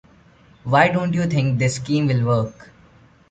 Why don't you think this scheme will work?